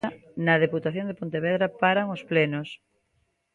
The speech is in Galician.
Na Deputación de Pontevedra paran os plenos.